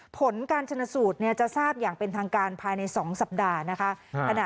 ผลการชนสูตรจะทราบอย่างเป็นทางการภายใน๒สัปดาห์นะคะ